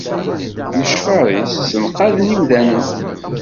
Lecfar-is ssenqaden imdanen.